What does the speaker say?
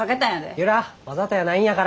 由良わざとやないんやから。